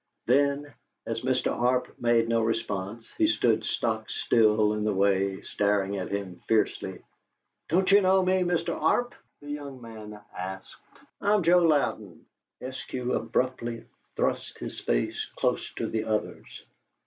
Then, as Mr. Arp made no response, but stood stock still in the way, staring at him fiercely, "Don't you know me, Mr. Arp?" the young man asked. "I'm Joe Louden." Eskew abruptly thrust his face close to the other's.